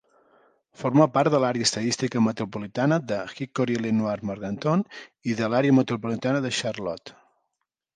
Forma part de l'Àrea estadística metropolitana de Hickory-Lenoir-Morganton i de l'Àrea Metropolitana de Charlotte.